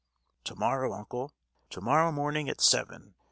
"To morrow, uncle! to morrow morning at seven!